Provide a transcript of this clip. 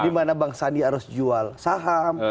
dimana bang sandi harus jual saham